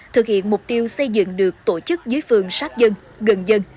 thực hiện mục tiêu xây dựng được tổ chức dưới phường sát dân gần dân